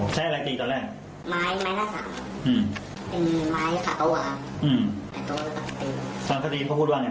เอาแล้วก็คิดว่าผิดจริงมาก